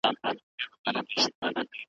خوار پر لاهور هم خوار وي